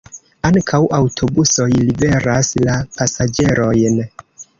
Ankaŭ aŭtobusoj liveras la pasaĝerojn.